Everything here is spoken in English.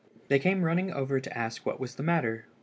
They came running over to ask what was the matter.